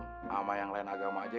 sama yang lain agama aja